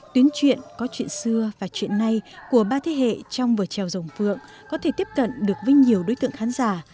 tuyến truyện có chuyện xưa và chuyện nay của ba thế hệ trong vở trèo dòng phượng có thể tiếp cận được với nhiều đối tượng khán giả